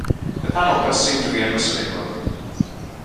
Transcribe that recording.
The panel does seem to be in listening mode.